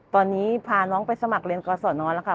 ตอนนี้พาน้องไปสมัครเรียนกศนแล้วค่ะ